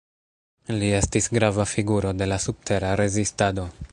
Li estis grava figuro de la subtera rezistado.